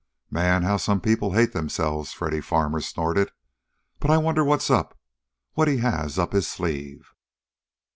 "Man! How some people hate themselves!" Freddy Farmer snorted. "But I wonder what's up; what he has up his sleeve?"